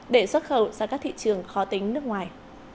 để xuất khẩu sang các thị trường khó tính nước ngoài